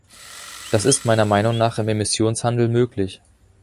Das ist meiner Meinung nach im Emissionshandel möglich.